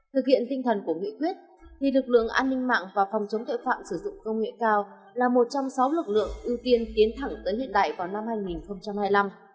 thực hiện tinh thần của nghị quyết thì lực lượng an ninh mạng và phòng chống tội phạm sử dụng công nghệ cao là một trong sáu lực lượng ưu tiên tiến thẳng tới hiện đại vào năm hai nghìn hai mươi năm